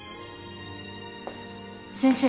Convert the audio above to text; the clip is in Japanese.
先生。